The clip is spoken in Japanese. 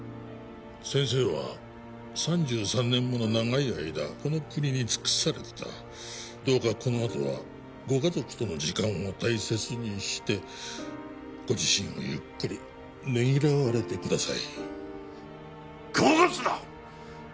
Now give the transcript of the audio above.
先生は３３年もの長い間この国に尽くされてたどうかこのあとはご家族との時間を大切にしてご自身をゆっくりねぎらわれてくださいごまかすな！